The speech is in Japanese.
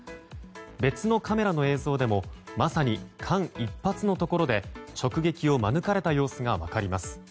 別のカメラの映像でもまさに間一髪のところで直撃を免れた様子が分かります。